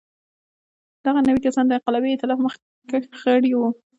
دغه نوي کسان د انقلابي اېتلاف مخکښ غړي وو.